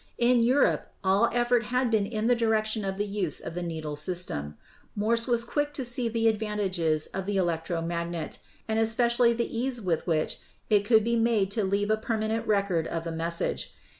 In Europe all effort had been in the direction of the use of the needle system. Morse was quick to see the advantages of the electro magnet, and especially the ease with which it could be made to leave a permanent record of the message.